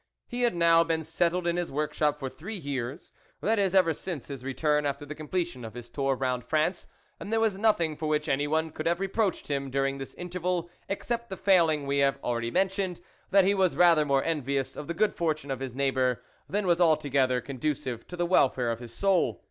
He had now been settled in his work shop for three years, that is, ever since his return after the completion of his tour round France, and there was nothing for which anyone could have reproached him during this interval except the failing we have already mentioned that he was rather more envious of the good fortune of his neighbour than was altogether con ducive to the welfare of his soul.